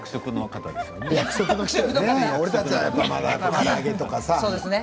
俺たちはまだから揚げとかね